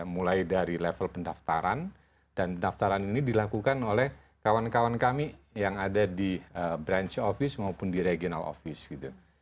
mulai dari level pendaftaran dan pendaftaran ini dilakukan oleh kawan kawan kami yang ada di branch office maupun di regional office gitu